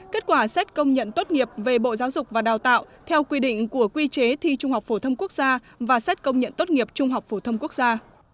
kết quả xét công nhận tốt nghiệp về bộ giáo dục và đào tạo theo quy định của quy chế thi trung học phổ thông quốc gia và xét công nhận tốt nghiệp trung học phổ thông quốc gia